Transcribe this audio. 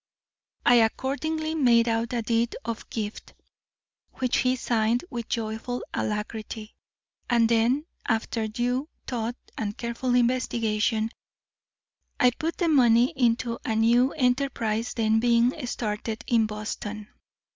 I accordingly made out a deed of gift, which he signed with joyful alacrity, and then after due thought and careful investigation, I put the money into a new enterprise then being started in Boston.